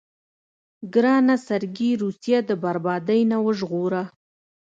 ګرانه سرګي روسيه د بربادۍ نه وژغوره.